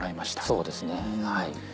そうですねはい。